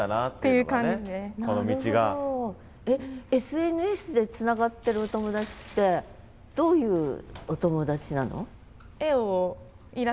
えっＳＮＳでつながってるお友達ってどういうお友達なの？